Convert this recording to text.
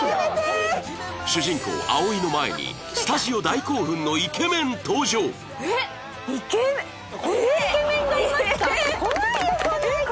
主人公アオイの前にスタジオ大興奮のイケメン登場来ないよ！